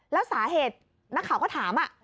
แล้วสาเหตุนักข่าวก็ถาม